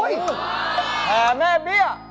แท่แม่เบี้ย